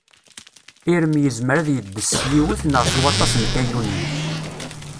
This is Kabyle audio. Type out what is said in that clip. Irem yezmer ad yeddes s yiwet neɣ s waṭas n tayunin.